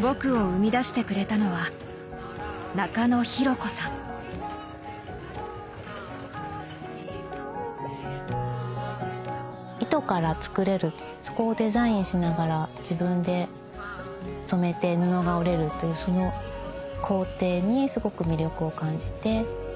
僕を生み出してくれたのは糸から作れるそこをデザインしながら自分で染めて布が織れるというその工程にすごく魅力を感じて。